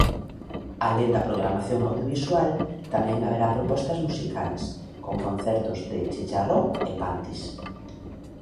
Alén da programación audiovisual, tamén haberá propostas musicais, con concertos de Chicharrón e Pantis.